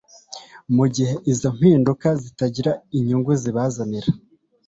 mu gihe izo mpinduka zitagira inyungu zibazanira